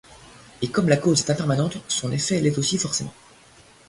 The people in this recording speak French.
Et comme la cause est impermanente, son effet l'est aussi forcément.